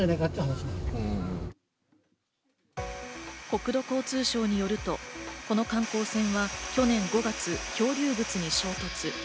国土交通省によると、この観光船は去年５月、漂流物に衝突。